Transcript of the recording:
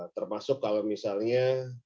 termasuk kalau misalnya